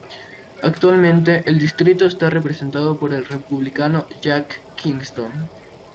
Actualmente el distrito está representado por el Republicano Jack Kingston.